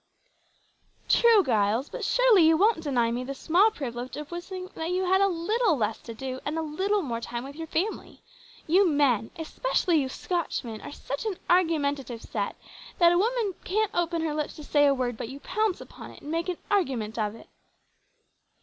"True, Giles, but surely you won't deny me the small privilege of wishing that you had a little less to do, and a little more time with your family. You men, especially you Scotchmen are such an argumentative set, that a poor woman can't open her lips to say a word, but you pounce upon it and make an argument of it."